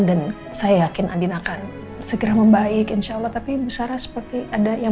dan saya yakin adina akan segera membaik insyaallah tapi busara seperti ada yang